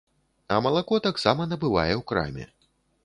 А малако таксама набывае ў краме.